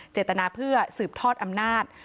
เจตนาเพื่อสืบทอดอำนาจ